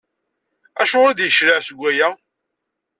Acuɣer i d-yecleɛ seg waya?